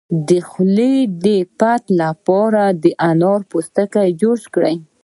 د خولې د افت لپاره د انار پوستکی جوش کړئ